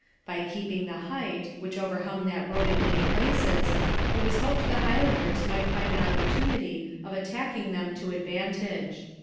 By keeping the height, which overhung that road in many places, it was hoped the Highlanders might find an opportunity of attacking them to advantage.